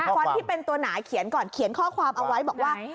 คนที่เป็นตัวหนาเขียนก่อนเขียนข้อความเอาไว้บอกว่า